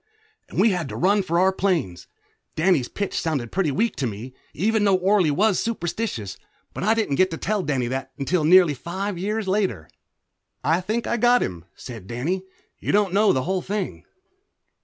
And we had to run for our planes. Danny's pitch sounded pretty weak to me, even though Orley was superstitious, but I didn't get to tell Danny that until nearly five years later. "I think I got him," said Danny. "You don't know the whole thing."